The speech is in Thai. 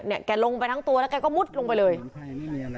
เนี้ยแกลงไปทั้งตัวแล้วแกก็มุดลงไปเลยใช่ไม่มีอะไร